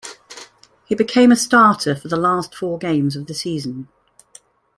He became a starter for the last four games of the season.